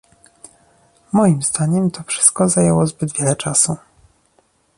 Moim zdaniem to wszystko zajęło zbyt wiele czasu